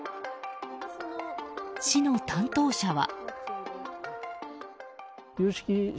市の担当者は。